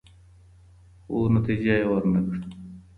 خو نتيجه ورنه کړه.